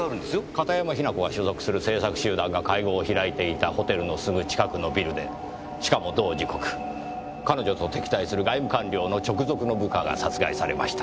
片山雛子が所属する政策集団が会合を開いていたホテルのすぐ近くのビルでしかも同時刻彼女と敵対する外務官僚の直属の部下が殺害されました。